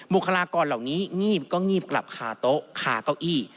คลากรเหล่านี้งีบก็งีบกลับคาโต๊ะคาเก้าอี้